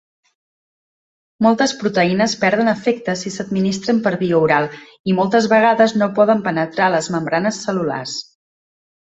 Moltes proteïnes perden efecte si s'administren per via oral i moltes vegades no poden penetrar les membranes cel·lulars.